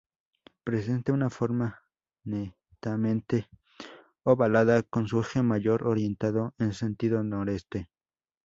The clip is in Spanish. Presenta una forma netamente ovalada, con su eje mayor orientado en sentido noreste.